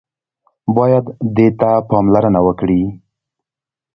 بايد دې ته پاملرنه وکړي.